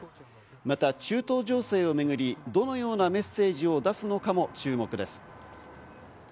また中東情勢を巡り、どのようなメッセージを出すのかも注目です。